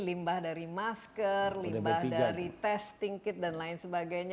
limbah dari masker limbah dari testing kit dan lain sebagainya